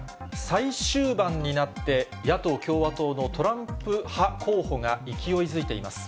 最終盤になって、野党・共和党のトランプ派候補が勢いづいています。